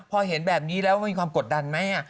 พอเห็นแบบนี้แล้วมันมีความกดดันไหม